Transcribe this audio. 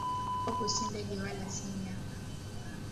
Popo si ndege wala si nyama